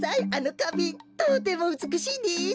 とてもうつくしいです。